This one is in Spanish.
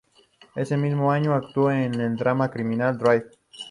Ese mismo año, actuó en el drama criminal "Drive".